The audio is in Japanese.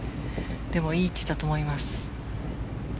でも、いい位置だと思います。